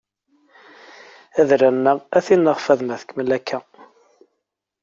Adrar-nneɣ ad t-ineɣ fad ma tkemmel akka